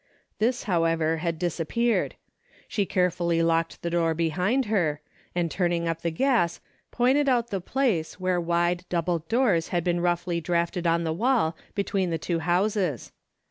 This however had disappeared. She carefully locked the door behind her, and turning up the gas, pointed out the place where wide double doors had been roughly drafted on the wall between the two houses.